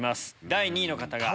第２位の方が。